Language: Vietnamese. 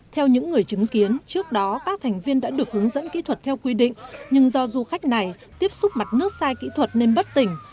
theo những người chứng kiến trước đó các thành viên đã được hướng dẫn kỹ thuật theo quy định nhưng do du khách này tiếp xúc mặt nước sai kỹ thuật nên bất tỉnh